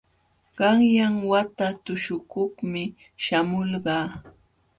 Qanyan wata tuśhukuqmi śhamulqaa.